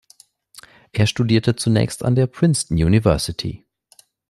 Er studierte zunächst an der Princeton University.